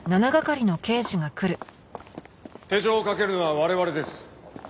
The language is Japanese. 手錠を掛けるのは我々です。